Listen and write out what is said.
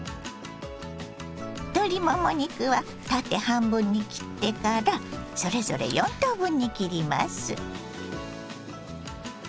鶏もも肉は縦半分に切ってからそれぞれ４等分に切ります。